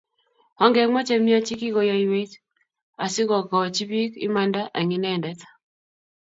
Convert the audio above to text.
Ongemwaa che miach che kikoyoiwech asikokochi biik imanda eng Inendet